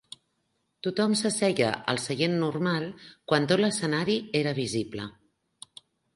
Tothom se seia al seient normal quan tot l"escenari era visible.